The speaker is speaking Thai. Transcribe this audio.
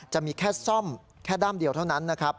จะมีแค่ซ่อมแค่ด้ามเดียวเท่านั้นนะครับ